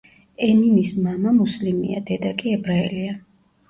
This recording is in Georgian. ემინის მამა მუსლიმია, დედა კი ებრაელია.